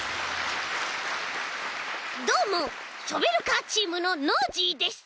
どうもショベルカーチームのノージーです。